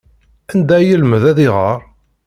Anda ay yelmed ad iɣer?